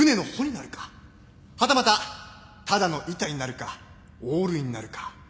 はたまたただの板になるかオールになるか。